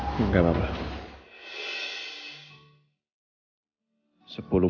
kamu enggak apa apa enggak